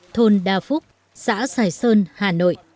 thôn đa phúc xã sài sơn hà nội